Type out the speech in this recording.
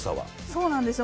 そうなんですよ。